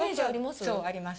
そう、あります。